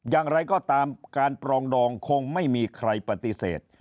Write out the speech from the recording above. อย่างไรก็ตามการปรองดองคงไม่มีใครปฏิเสธ